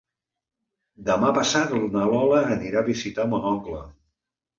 Demà passat na Lola anirà a visitar mon oncle.